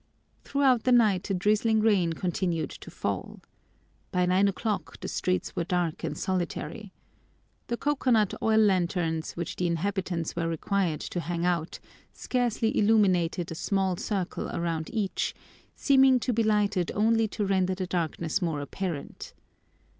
Throughout the night a drizzling rain continued to fall. By nine o'clock the streets were dark and solitary. The coconut oil lanterns, which the inhabitants were required to hang out, scarcely illuminated a small circle around each, seeming to be lighted only to render the darkness more apparent.